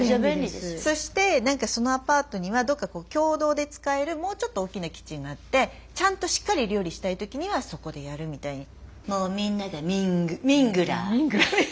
そして何かそのアパートにはどっか共同で使えるもうちょっと大きなキッチンがあってちゃんとしっかり料理したい時にはそこでやるみたいに。